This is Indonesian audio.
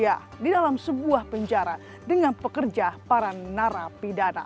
ya di dalam sebuah penjara dengan pekerja para narapidana